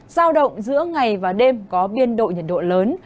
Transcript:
giao động giữa ngày và đêm có biên độ nhiệt độ lớn